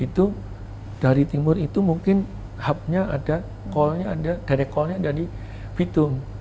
itu dari timur itu mungkin hubnya ada direct callnya ada di bitum